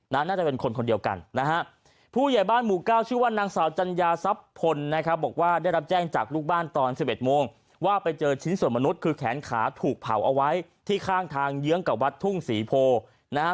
น่าจะเป็นคนคนเดียวกันนะฮะผู้ใหญ่บ้านหมู่เก้าชื่อว่านางสาวจัญญาทรัพย์พลนะครับบอกว่าได้รับแจ้งจากลูกบ้านตอน๑๑โมงว่าไปเจอชิ้นส่วนมนุษย์คือแขนขาถูกเผาเอาไว้ที่ข้างทางเยื้องกับวัดทุ่งศรีโพนะฮะ